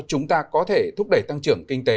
chúng ta có thể thúc đẩy tăng trưởng kinh tế